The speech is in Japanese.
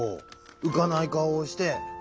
うかないかおをして。